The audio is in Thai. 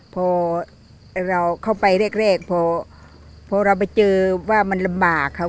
พอเราเข้าไปแรกพอเราไปเจอว่ามันลำบากครับ